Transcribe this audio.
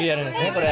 これ。